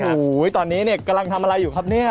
หูยตอนนี้กำลังทำอะไรอยู่ครับ